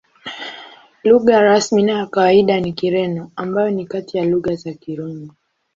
Lugha rasmi na ya kawaida ni Kireno, ambayo ni kati ya lugha za Kirumi.